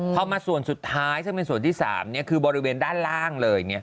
พอมาส่วนสุดท้ายซึ่งเป็นส่วนที่๓คือบริเวณด้านล่างเลย